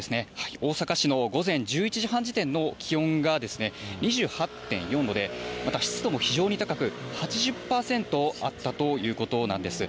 大阪市の午前１１時半時点の気温が、２８．４度で、また湿度も非常に高く、８０％あったということなんです。